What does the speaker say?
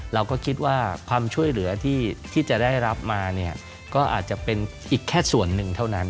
เราก็คิดว่าความช่วยเหลือที่จะได้รับมาเนี่ยก็อาจจะเป็นอีกแค่ส่วนหนึ่งเท่านั้น